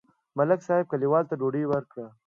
ملک صاحب کلیوالو ته ډوډۍ وکړه.